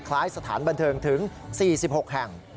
สถานบันเทิงถึง๔๖แห่ง